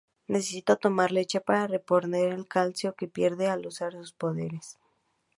Necesita tomar leche para reponer el calcio que pierde al usar sus poderes.